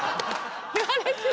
言われてる。